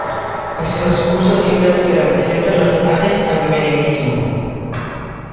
En su discurso siempre estuvieron presentes los ataques al menemismo.